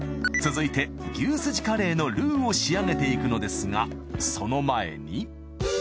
続いて牛すじカレーのルウを仕上げていくのですがその前に。